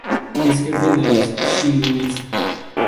Es el jefe de los Shy Guys.